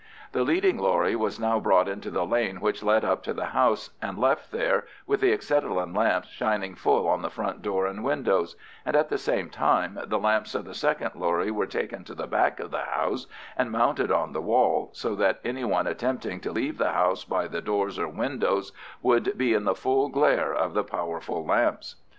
The leading lorry was now brought into the lane which led up to the house, and left there with the acetylene lamps shining full on the front door and windows, and at the same time the lamps of the second lorry were taken to the back of the house and mounted on the wall, so that any one attempting to leave the house by the doors or windows would be in the full glare of the powerful lamps.